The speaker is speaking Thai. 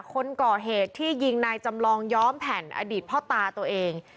คนก่อเหตุที่ยิงนายจำลองย้อมแผ่นอดีตพ่อตาตัวเอง